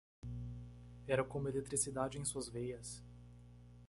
Era como eletricidade em suas veias.